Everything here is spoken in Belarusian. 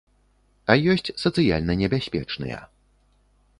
А ёсць сацыяльна небяспечныя.